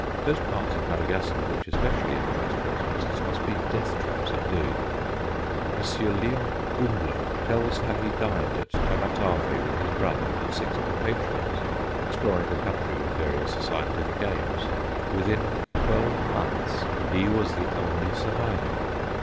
Those parts of Madagascar which especially attract botanists must be death traps indeed! M. Léon Humblot tells how he dined at Tamatave with his brother and six compatriots, exploring the country with various scientific aims. Within twelve months he was the only survivor.